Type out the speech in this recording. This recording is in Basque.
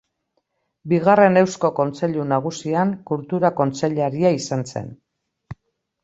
Bigarren Eusko Kontseilu Nagusian kultura kontseilaria izan zen.